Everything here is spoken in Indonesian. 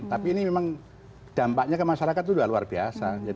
tapi ini memang dampaknya ke masyarakat itu sudah luar biasa